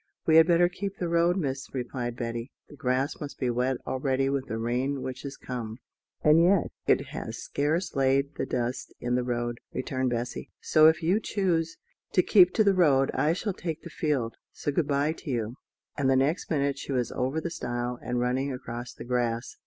"We had better keep the road, Miss," replied Betty; "the grass must be wet already with the little rain which is come." "And yet it has scarce laid the dust in the road," returned Bessy; "so if you choose to keep to the road, I shall take the field; so good bye to you;" and the next minute she was over the stile, and running across the grass.